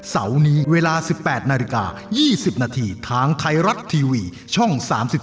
เสาร์นี้เวลา๑๘นาฬิกา๒๐นาทีทางไทยรัฐทีวีช่อง๓๒